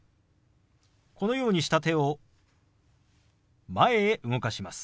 このようにした手を前へ動かします。